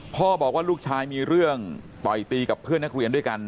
พ่อบอกว่าลูกชายมีเรื่องต่อยตีกับเพื่อนนักเรียนด้วยกัน